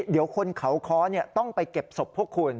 เดี๋ยวคนเขาค้อต้องไปเก็บศพพวกคุณ